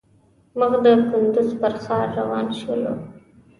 مخ د کندوز پر ښار روان شولو.